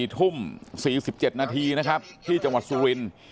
๔ทุ่ม๔๗นาทีนะครับที่จังหวัดสุรินทร์